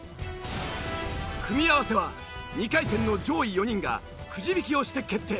組み合わせは２回戦の上位４人がくじ引きをして決定。